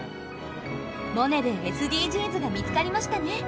「モネ」でＳＤＧｓが見つかりましたね。